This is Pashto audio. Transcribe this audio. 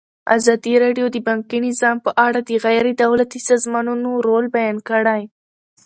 ازادي راډیو د بانکي نظام په اړه د غیر دولتي سازمانونو رول بیان کړی.